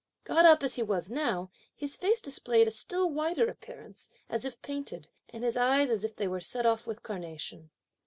(Got up as he was now,) his face displayed a still whiter appearance, as if painted, and his eyes as if they were set off with carnation.